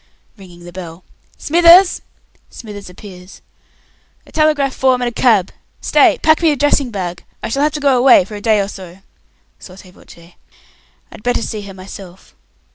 [ringing the bell] Smithers!" [Smithers appears.] "A telegraph form and a cab! Stay. Pack me a dressing bag. I shall be away for a day or so. [Sotto voce] I'd better see her myself.